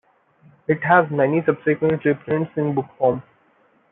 It has many subsequent reprints in book form.